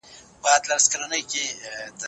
نوی نسل هیلهمند شو.